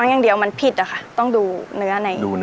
เกิดเสียแฟนไปช่วยไม่ได้นะ